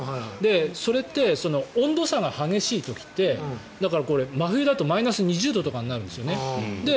それって温度差が激しい時って真冬だとマイナス２０度とかになるんですよね。